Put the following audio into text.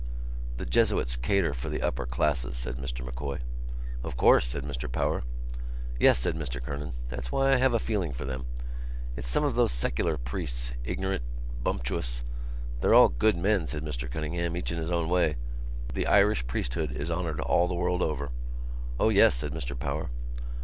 "The Jesuits cater for the upper classes," said Mr M'Coy. "Of course," said Mr Power. "Yes," said Mr Kernan. "That's why I have a feeling for them. It's some of those secular priests, ignorant, bumptious——" "They're all good men," said Mr Cunningham, "each in his own way. The Irish priesthood is honoured all the world over." "O yes," said Mr Power.